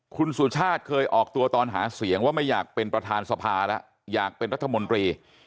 คุณสุชาติเคยออกตัวตอนหาเสียงว่าไม่อยากเป็นประธานสภาแล้วอยากเป็นรัฐมนตรี